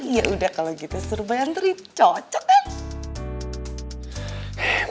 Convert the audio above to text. ya udah kalau gitu serupa antri cocok kan